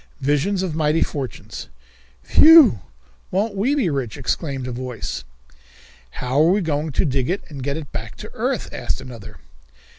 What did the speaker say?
Visions of Mighty Fortunes. "Phew! Won't we be rich?" exclaimed a voice. "How are we going to dig it and get it back to earth?" asked another.